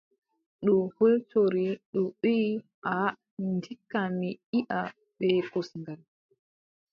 Ndu hultori. Ndu wiʼi: aaʼa ndikka mi iʼa bee kosngal.